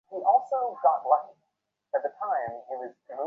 প্রতিদিন তিনবার এটা দিয়ে স্বর ব্যায়াম করবি।